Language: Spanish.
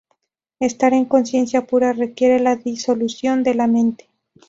Estar en conciencia pura requiere la disolución de la mente.